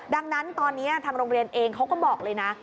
ดังนั้นตอนนี้ทางโรงเรียนเองเขาก็บอกเลยนะ